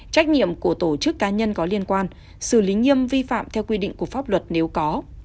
trách nhiệm của tổ chức cá nhân có liên quan xử lý nghiêm vi phạm theo quy định của pháp luật nếu có